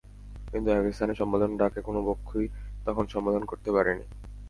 কিন্তু একই স্থানে সম্মেলন ডাকায় কোনো পক্ষই তখন সম্মেলন করতে পারেনি।